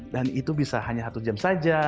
dan itu bisa hanya satu jam saja